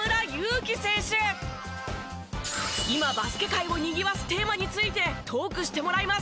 今バスケ界をにぎわすテーマについてトークしてもらいます。